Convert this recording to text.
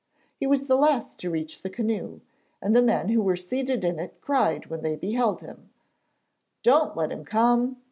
He was the last to reach the canoe, and the men who were seated in it cried when they beheld him: 'Don't let him come!